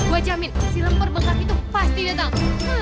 gue jamin si lemper bekas itu pasti datang